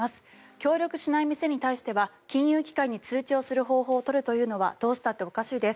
協力しない店に対しては金融機関に通知をするという方法を取るというのはどうしたっておかしいです。